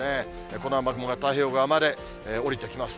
この雨雲が太平洋側まで降りてきます。